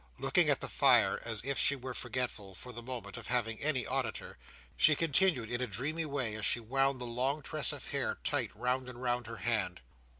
Looking at the fire, as if she were forgetful, for the moment, of having any auditor, she continued in a dreamy way, as she wound the long tress of hair tight round and round her hand.